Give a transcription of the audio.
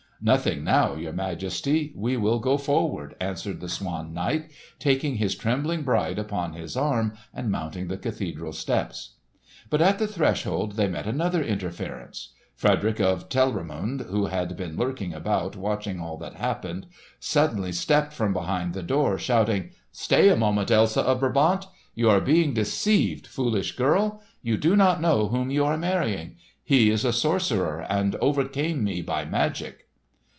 "Nothing now, your Majesty. We will go forward," answered the Swan Knight, taking his trembling bride upon his arm and mounting the cathedral steps. But at the threshold they met another interference. Frederick of Telramund, who had been lurking about watching all that happened, suddenly stepped from behind the door shouting, "Stay a moment, Elsa of Brabant. You are being deceived, foolish girl! You do not know whom you are marrying. He is a sorcerer, and overcame me by magic!"